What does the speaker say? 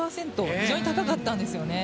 非常に高かったんですよね。